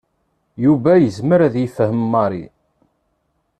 Yuba yezmer ad yefhem Mary.